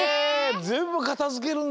ぜんぶかたづけるんだ！